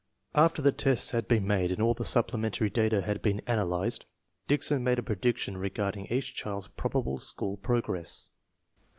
After the tests had been made and all the supplementary data had been analyzed, Dickson made a prediction re garding each child's probable school progress.